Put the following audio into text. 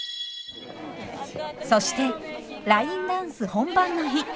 そしてラインダンス本番の日。